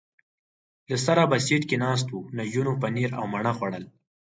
له سره په سېټ کې ناست و، نجونو پنیر او مڼه خوړل.